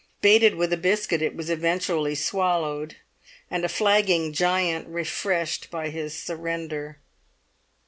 Baited with a biscuit it was eventually swallowed, and a flagging giant refreshed by his surrender.